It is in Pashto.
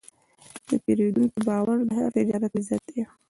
د پیرودونکي باور د هر تجارت عزت دی.